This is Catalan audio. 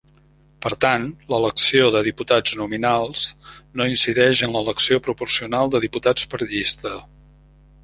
Per tant, l'elecció de diputats nominals no incideix en l'elecció proporcional de diputats per llista.